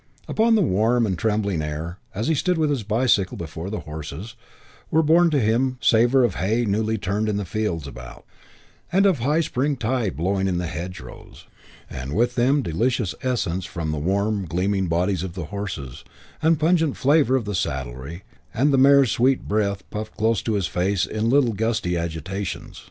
Upon the warm and trembling air, as he stood with his bicycle before the horses, were borne to him savour of hay newly turned in the fields about, and of high spring tide blowing in the hedgerows; and with them delicious essence from the warm, gleaming bodies of the horses, and pungent flavour of the saddlery, and the mare's sweet breath puffed close to his face in little gusty agitations.